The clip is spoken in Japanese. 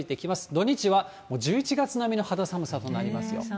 土日は１１月並みの肌寒さとなりますよ。